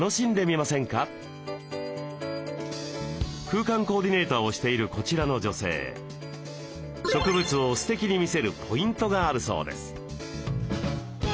空間コーディネーターをしているこちらの女性植物をステキに見せるポイントがあるそうです。